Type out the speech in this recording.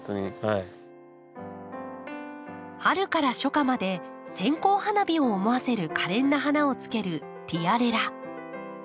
春から初夏まで線香花火を思わせるかれんな花をつける「ティアレラ」。